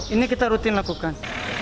ini kita rutin lakukan